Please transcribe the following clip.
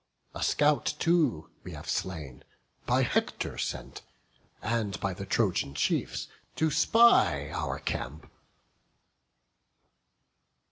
A scout too have we slain, by Hector sent, And by the Trojan chiefs, to spy our camp."